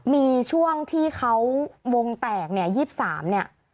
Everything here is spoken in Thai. มีช่วงที่เขาวงแตก๒๓นี่